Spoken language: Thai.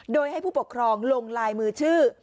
โดยให้ผู้ปกครองลงลายมือชื่อ